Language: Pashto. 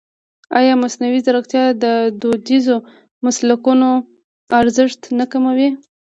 ایا مصنوعي ځیرکتیا د دودیزو مسلکونو ارزښت نه کموي؟